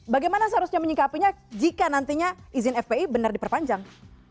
bagaimana seharusnya menyingkapinya jika nantinya izin fpi benar diperpanjang